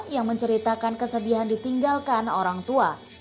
yang menceritakan kesedihan ditinggalkan orang tua